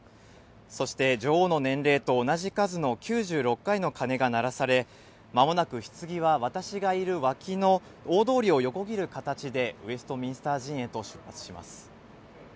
そして、女王の年齢と同じ数の９６回の鐘が鳴らされ、まもなくひつぎは私がいる脇の大通りを横切る形で、ウェストミンスター寺院へと出発します。